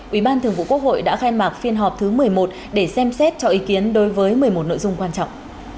ubthq đã khai mạc phiên họp thứ một mươi một để xem xét cho ý kiến đối với một mươi một nội dung quan trọng